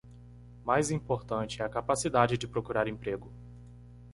Mais importante é a capacidade de procurar emprego